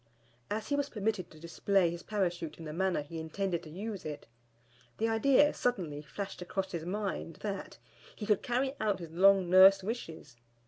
As he was permitted to display his Parachute in the manner he intended to use it, the idea suddenly flashed across his mind that, he could carry out his long nursed wishes.